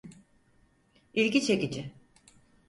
İlgi çekici.